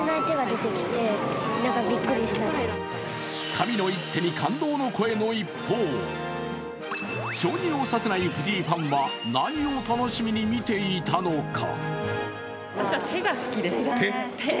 神の一手に感動の声の一方、将棋を指せない藤井ファンは何を楽しみに見ていたのか。